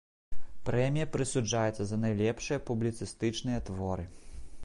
Прэмія прысуджаецца за найлепшыя публіцыстычныя творы.